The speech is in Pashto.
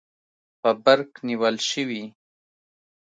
په برق نیول شوي